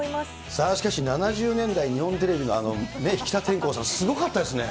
さあ、しかし７０年代、日本テレビの引田天功さん、すごかったですね。